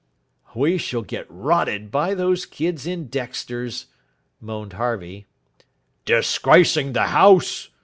"We shall get rotted by those kids in Dexter's," moaned Harvey. "Disgracing the house!"